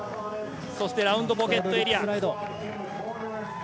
ラウンドポケットエリア。